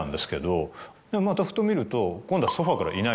またふと見ると今度は。